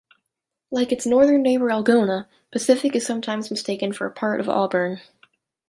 Like its northern neighbor Algona, Pacific is sometimes mistaken for a part of Auburn.